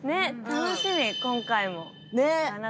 楽しみ今回も。